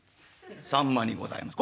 「さんまにございます」。